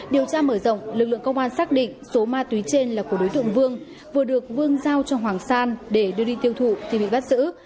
điều tra mở rộng lực lượng công an xác định số ma túy trên là của đối tượng vương vừa được vương giao cho hoàng sa để đưa đi tiêu thụ thì bị bắt giữ